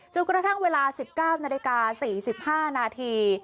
จนกระทั่งเวลา๑๙นาฬิกา๔๕นาที